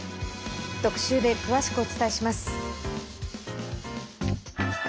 特集で詳しくお伝えします。